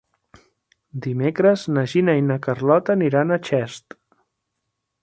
Dimecres na Gina i na Carlota aniran a Xest.